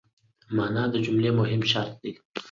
مانا د جملې مهم شرط دئ.